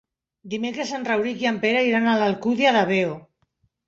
Dimecres en Rauric i en Pere iran a l'Alcúdia de Veo.